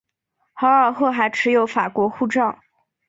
豪尔赫还持有法国护照。